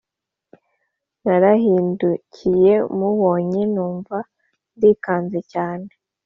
Narahindukiye mubonye numva ndikanze cyane